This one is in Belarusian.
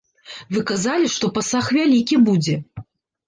Вы казалі, што пасаг вялікі будзе.